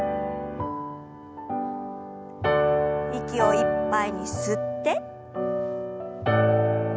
息をいっぱいに吸って。